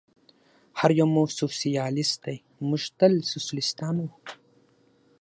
هر یو مو سوسیالیست دی، موږ تل سوسیالیستان و.